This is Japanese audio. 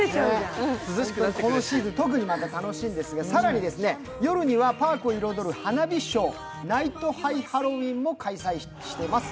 このシーズン特に楽しいんですが、更に夜にはパークを彩る花火ショー、「ナイトハイ・ハロウィーン」も開催しています。